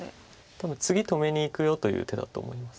多分次止めにいくよという手だと思います。